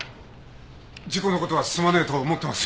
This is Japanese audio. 事故のことはすまねえと思ってます。